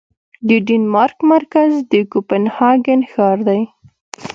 د ډنمارک مرکز د کوپنهاګن ښار دی